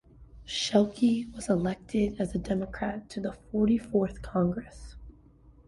Sheakley was elected as a Democrat to the Forty-fourth Congress.